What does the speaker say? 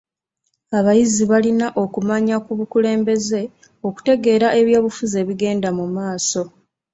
Abayizi balina okumanya ku bukulembeze okutegeera eby'obufuzi ebigenda mu maaso.